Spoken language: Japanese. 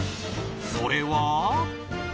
それは。